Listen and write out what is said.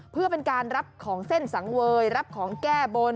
เพื่อเป็นการรับของเส้นสังเวยรับของแก้บน